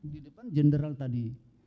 di depan jenderal tadi